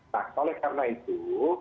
nah oleh karena itu